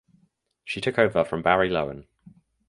She took over from Barry Lowen.